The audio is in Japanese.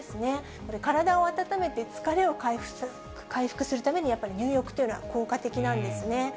これ、体を温めて疲れを回復するためにやっぱり入浴というのは効果的なんですね。